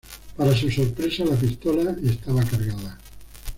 Para su sorpresa, la pistola estaba cargada.